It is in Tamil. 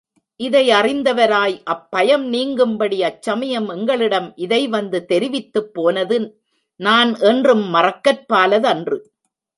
இதை அறிந்தவராய், அப் பயம் நீங்கும்படி அச்சமயம் எங்களிடம் இதை வந்து தெரிவித்துப் போனது நான் என்றும் மறக்கற்பாலதன்று.